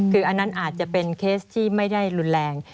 คืออันนั้นอาจจะเป็นเคสที่ไม่ได้รุนแรง